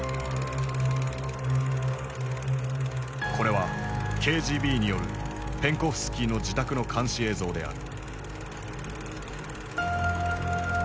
これはＫＧＢによるペンコフスキーの自宅の監視映像である。